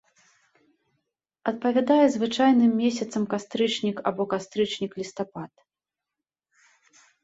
Адпавядае звычайным месяцам кастрычнік або кастрычнік-лістапад.